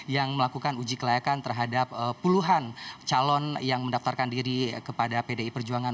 yang melakukan uji kelayakan terhadap puluhan calon yang mendaftarkan diri kepada pdi perjuangan